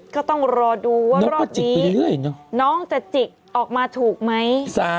ก็ต้องรอดูว่ารอบนี้น้องจะจิกออกมาถูกไหม